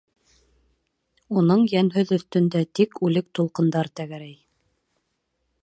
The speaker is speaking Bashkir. Уның йәнһеҙ өҫтөндә тик үлек тулҡындар тәгәрәй.